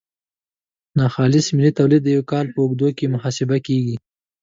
ناخالص ملي تولید د یو کال په اوږدو کې محاسبه کیږي.